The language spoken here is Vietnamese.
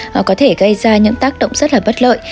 họ có thể gây ra những tác động rất là bất lợi